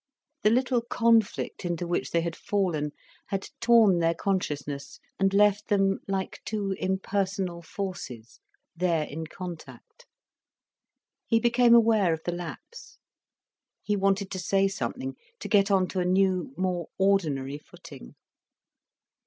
The little conflict into which they had fallen had torn their consciousness and left them like two impersonal forces, there in contact. He became aware of the lapse. He wanted to say something, to get on to a new more ordinary footing.